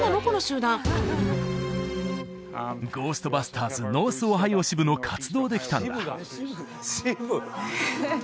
この集団ゴーストバスターズノースオハイオ支部の活動で来たんだ